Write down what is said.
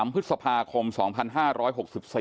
๓พฤษภาคม๒๕๖๔นะครับ